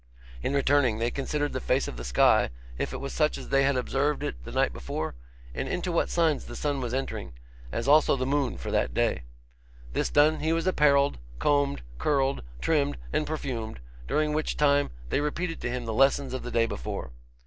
In returning, they considered the face of the sky, if it was such as they had observed it the night before, and into what signs the sun was entering, as also the moon for that day. This done, he was apparelled, combed, curled, trimmed, and perfumed, during which time they repeated to him the lessons of the day before.